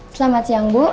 selamat siang bu